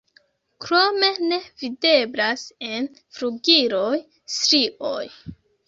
Krome ne videblas en flugiloj strioj.